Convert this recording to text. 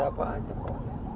terbuka apa aja kok